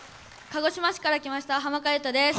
鹿児島市から来ましたはまかわです。